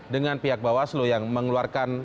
dengan pihak bawaslu yang mengeluarkan